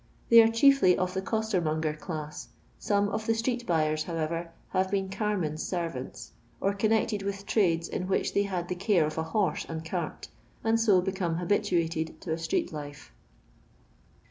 They are chiefly of the costermonger class, some of the street buyers how ever, have been carmen's servants, or connected with trades in which they had the care of a horse and cart, and so became habituated to a street life.